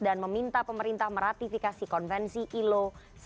dan meminta pemerintah meratifikasi konvensi ilo satu ratus sembilan puluh